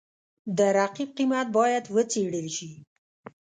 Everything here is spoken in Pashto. د رقیب قیمت باید وڅېړل شي.